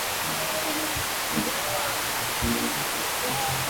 na kuweka makazi haswa kutokana ardhi hii kuwa na ardhi yenye rutuba kwa ajili